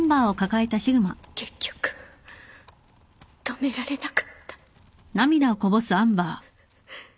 結局止められなかった。